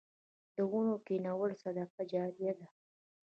د ونو کینول صدقه جاریه ده